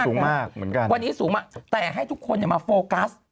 สูงมากเหมือนกันวันนี้สูงมากแต่ให้ทุกคนมาโฟกัส